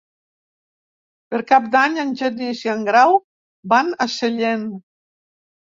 Per Cap d'Any en Genís i en Grau van a Sellent.